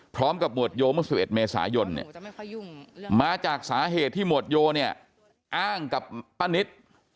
หมวดโยเมื่อ๑๑เมษายนมาจากสาเหตุที่หมวดโยเนี่ยอ้างกับป้านิต